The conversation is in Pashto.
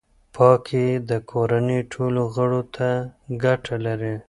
پاکي د کورنۍ ټولو غړو ته ګټه لري.